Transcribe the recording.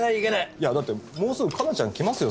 いやだってもうすぐ佳奈ちゃん来ますよ？